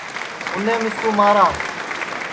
اُنیں مِسکُو مارا